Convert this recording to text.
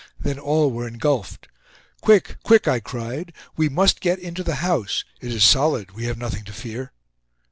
Then all were engulfed. "Quick! Quick!" I cried. "We must get into the house. It is solid—we have nothing to fear."